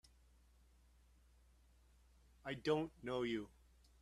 I don't know you!